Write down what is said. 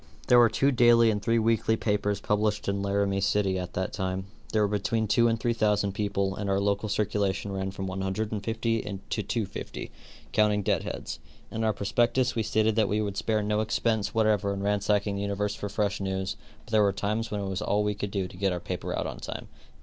There were two daily and three weekly papers published in Laramie City av that time. There were between two and three thousand people and our local circulation ran from 150 to 250, counting dead heads. In our prospectus we stated that we would spare no expense whatever in ransacking the universe for fresh news, but there were times when it was all we could do to get our paper out on time.